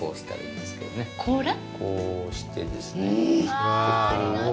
こうしてですね、これを。